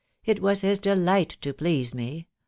... It was his delight to please me